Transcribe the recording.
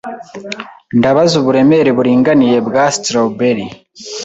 Ndabaza uburemere buringaniye bwa strawberry.